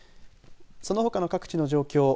そのほかの各地の状況。